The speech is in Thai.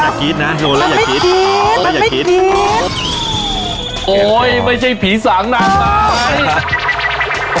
มันไม่คิดมันไม่คิดโอ้ยไม่ใช่ผีสางน้ำไต